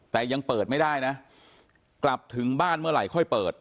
แต่ยังเปิดไม่ได้นะกลับถึงบ้านเมื่อไหร่ค่อยเปิด